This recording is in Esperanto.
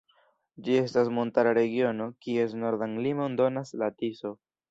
Ĝi estas montara regiono, kies nordan limon donas la Tiso.